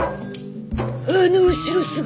あの後ろ姿。